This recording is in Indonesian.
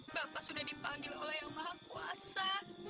bapak sudah dipanggil oleh yang maha kuasa